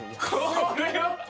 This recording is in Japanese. これは！